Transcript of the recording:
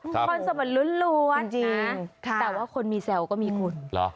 คนสมรรณล้วนแต่ว่าคนมีแซวก็มีคุณ